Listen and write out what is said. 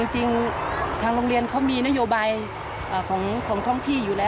จริงทางโรงเรียนเขามีนโยบายของท้องที่อยู่แล้ว